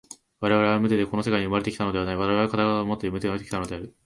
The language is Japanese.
我々は無手でこの世界に生まれて来たのではない、我々は身体をもって生まれて来たのである。